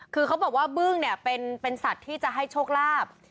คือเขาบอกว่าเบิ้งเป็นสัตว์ที่จะให้ชกลาบ